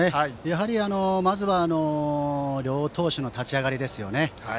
まずは両投手の立ち上がりですよね。